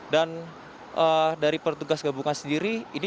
dan dari pertugas gabungan sendiri